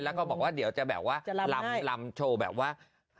แล้วก็บอกว่าเดี๋ยวจะแบบว่าลำโชว์แบบว่า